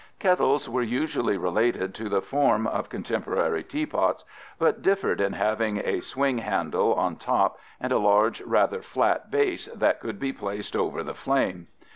Kettles were usually related to the form of contemporary teapots, but differed in having a swing handle on top and a large, rather flat base that could be placed over the flame.